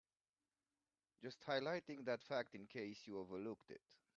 Just highlighting that fact in case you overlooked it.